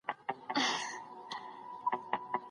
حکومت به اقتصادي خوځښت ته دوام ورکوي.